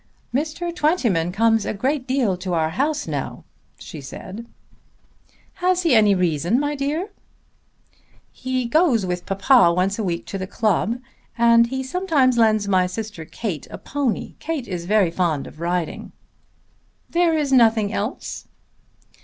"Mr. Twentyman comes a great deal to our house now," she said. "Has he any reason, my dear?" "He goes with papa once a week to the club; and he sometimes lends my sister Kate a pony. Kate is very fond of riding." "There is nothing else?"